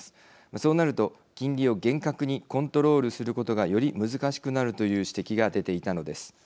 そうなると金利を厳格にコントロールすることがより難しくなるという指摘が出ていたのです。